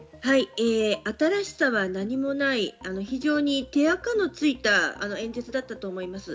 新しさは何もない、非常に手垢のついた演説だったと思います。